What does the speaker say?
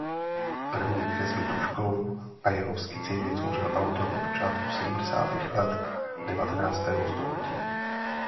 První kresby tužkou a jeho skici vytvořil autor na počátku sedmdesátých let devatenáctého století.